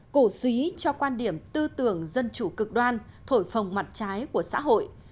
cổ xúy cho quan điểm tư tưởng dân chủ cực đoan thổi phồng mặt trái của xã hội